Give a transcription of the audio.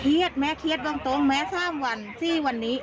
เครียดแม่เครียดบ้างตรงแม่ซ่ามวันที่วันนี้